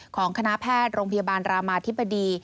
ของคณะแพทย์โรงพยาบาลรามาธิบดี